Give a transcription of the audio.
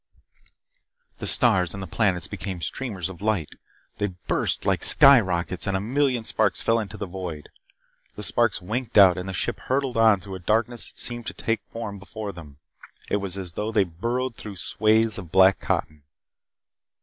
The stars and the planets became streamers of light. They burst like sky rockets and a million sparks fell into the void. The sparks winked out and the ship hurtled on through a darkness that seemed to take form before them. It was as though they burrowed through swathes of black cotton.